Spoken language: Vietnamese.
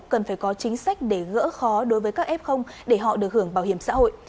cần phải có chính sách để gỡ khó đối với các f để họ được hưởng bảo hiểm xã hội